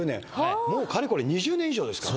もうかれこれ２０年以上ですから。